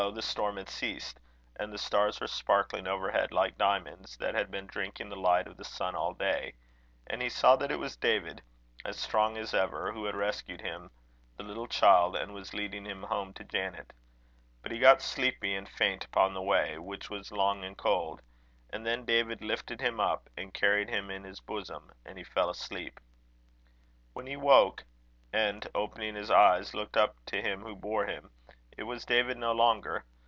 the storm had ceased, and the stars were sparkling overhead like diamonds that had been drinking the light of the sun all day; and he saw that it was David, as strong as ever, who had rescued him, the little child, and was leading him home to Janet. But he got sleepy and faint upon the way, which was long and cold; and then David lifted him up and carried him in his bosom, and he fell asleep. When he woke, and, opening his eyes, looked up to him who bore him, it was David no longer.